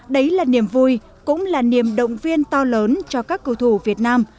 đấy là niềm vui cũng là niềm động viên to lớn cho các cầu thủ việt nam